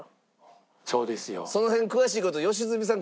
その辺詳しい事良純さん